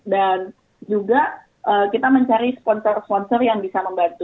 dan juga kita mencari sponsor sponsor yang bisa membantu